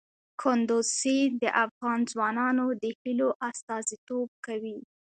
کندز سیند د افغان ځوانانو د هیلو استازیتوب کوي.